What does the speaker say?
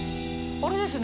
あれですね。